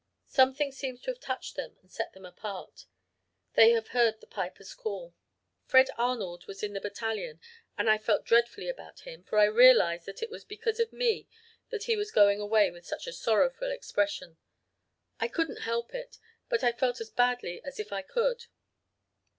Something seems to have touched them and set them apart. They have heard the Piper's call. "Fred Arnold was in the battalion and I felt dreadfully about him, for I realized that it was because of me that he was going away with such a sorrowful expression. I couldn't help it but I felt as badly as if I could.